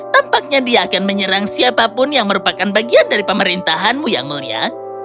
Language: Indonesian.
tampaknya dia akan menyerang siapapun yang merupakan bagian dari pemerintahanmu yang mulia